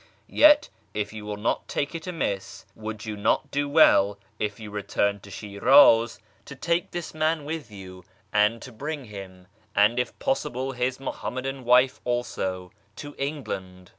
Yet, if you will not take it amiss, would you not do well, if you return to Shiraz, to take this YEZD 381 man with you, and to bring him, and if possible his Muham madan wife also, to England